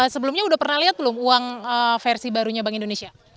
sebelumnya udah pernah lihat belum uang versi barunya bank indonesia